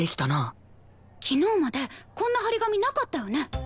昨日までこんな貼り紙なかったよね。